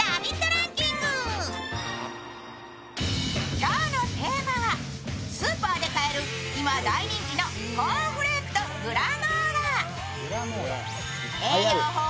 今日のテーマはスーパーで買える、今大人気のコーンフレークとグラノーラ。